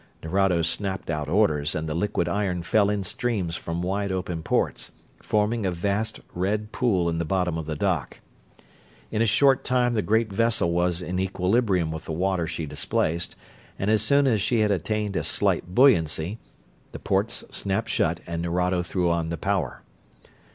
Nerado snapped out orders and the liquid iron fell in streams from wide open ports, forming a vast, red pool in the bottom of the dock. In a short time the great vessel was in equilibrium with the water she displaced, and as soon as she had attained a slight buoyancy the ports snapped shut and Nerado threw on the power.